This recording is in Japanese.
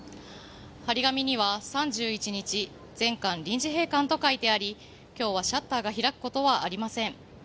貼り紙には３１日、全館臨時閉館と書いてあり今日はシャッターが開くことはありません。